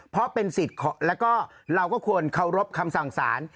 เพราะเป็นสิทธิ์แล้วก็เราก็ควรเคารพคำสั่งสาร